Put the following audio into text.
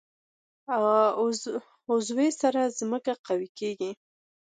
عضوي سره ځمکه قوي کوي.